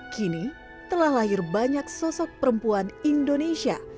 kini telah lahir banyak sosok perempuan indonesia